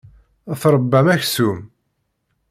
Tṛebbam aksum.